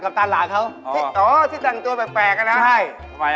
เจ๊นี่บ้าหวย